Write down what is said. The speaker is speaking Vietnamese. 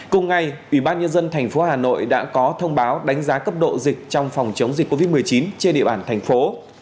cùng ngày ủy ban nhân dân thành phố hà nội đã có thông báo đánh giá cấp độ dịch trong phòng chống dịch covid một mươi chín trên địa bàn thành phố